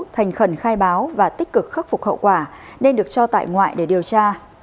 thành khẩn khai báo và tích cực khắc phục hậu quả nên được cho tại ngoại để điều tra